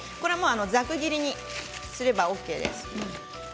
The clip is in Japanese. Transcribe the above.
ざく切りにすればＯＫです。